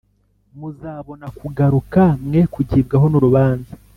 Muzabona kugaruka mwe kugibwaho n urubanza